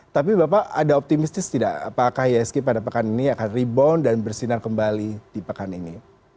tapi bapak ada optimistis tidak apakah isg pada pekan ini akan rebound dan bersinar kembali di pekan ini